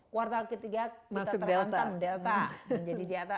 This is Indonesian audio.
kuartal ketiga kita terlantam delta